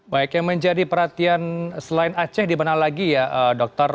baik yang menjadi perhatian selain aceh di mana lagi ya dokter